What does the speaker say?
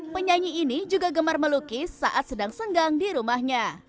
penyanyi ini juga gemar melukis saat sedang senggang di rumahnya